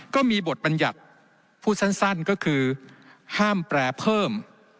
ก็มีบทบัญญัติพูดสั้นก็คือห้ามแปรเพิ่ม